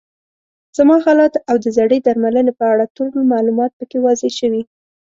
زما حالت او د زړې درملنې په اړه ټول معلومات پکې واضح شوي.